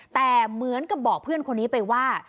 แต่เหมือนกับบอกเพื่อนคนนี้ไปว่า